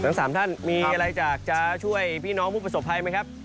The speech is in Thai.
ทั้ง๓ท่านมีอะไรอยากจะช่วยพี่น้องผู้ประสบภัยไหมครับ